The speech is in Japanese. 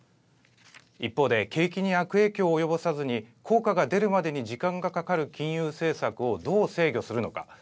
一方で、景気に悪影響を及ぼさずに効果が出るまでに時間がかかる金融政策をどう制御するのか。